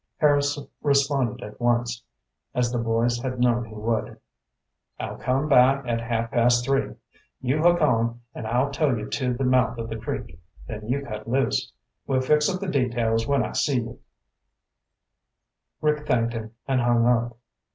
Harris responded at once, as the boys had known he would. "I'll come by at half past three. You hook on and I'll tow you to the mouth of the creek, then you cut loose. We'll fix up the details when I see you." Rick thanked him and hung up.